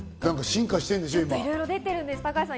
進化しているんでしょ？